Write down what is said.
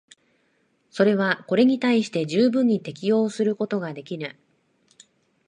それはこれに対して十分に適応することができぬ。